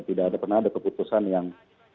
tidak pernah ada keputusan yang